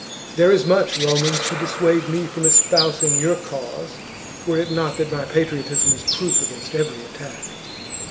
"There is much, Romans, to dissuade me from espousing your cause, were it not that my patriotism is proof against every attack.